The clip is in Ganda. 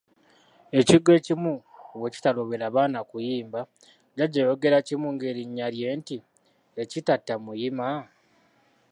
Ekigwo ekimu nga bwe kitalobera baana kuyimba, Jjajja yayogera kimu ng'erinnya lye nti, "ekitatta muyima."